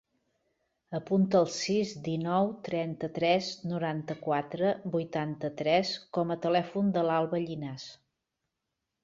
Apunta el sis, dinou, trenta-tres, noranta-quatre, vuitanta-tres com a telèfon de l'Alba Llinas.